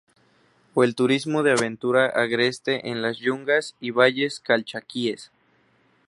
O el turismo de aventura agreste en las yungas y Valles Calchaquíes.